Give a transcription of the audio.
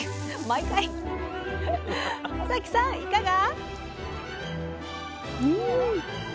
尾碕さんいかが？